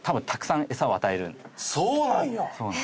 そうなんや！